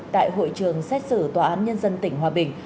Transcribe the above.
trường xét xử tòa án nhân dân tỉnh hòa bình